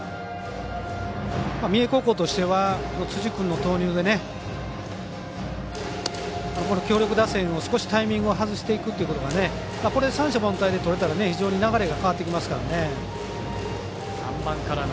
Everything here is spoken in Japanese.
三重高校としては辻君の投入で強力打線を少しタイミング外していくということがこれ三者凡退とれたら非常に流れが変わってきますからね。